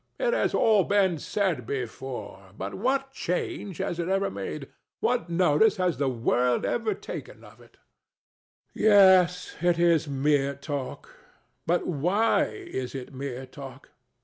It has all been said before; but what change has it ever made? What notice has the world ever taken of it? DON JUAN. Yes, it is mere talk. But why is it mere talk?